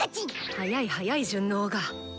早い早い順応が！